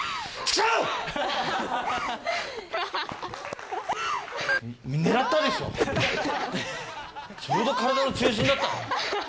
ちょうど体の中心だった。